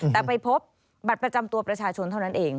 แต่ไปพบบัตรประจำตัวประชาชนเท่านั้นเอง